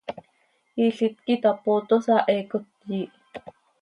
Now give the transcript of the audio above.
Ilít quih itapootosa, heecot yiih.